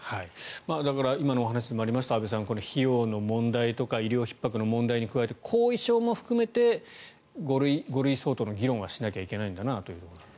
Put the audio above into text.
だから今のお話にもありました安部さん、費用の問題医療ひっ迫の問題に加えて後遺症も含めて５類相当の議論はしないといけないんだなと。